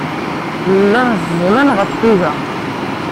Llan ẓẓlen ɣef tuga.